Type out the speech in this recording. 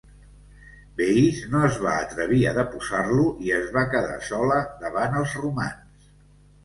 Veïs no es va atrevir a deposar-lo i es va quedar sola davant els romans.